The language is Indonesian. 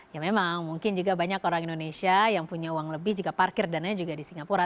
ya memang mungkin juga banyak orang indonesia yang punya uang lebih jika parkir dananya juga di singapura